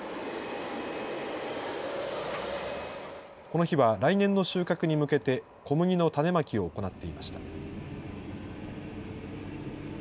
この日は来年の収穫に向けて、小麦の種まきを行っていました。